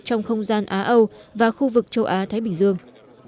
trong không gian á âu và khu vực châu á thái bình dương